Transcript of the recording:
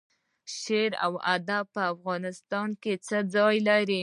شعر او ادب په افغانستان کې څه ځای لري؟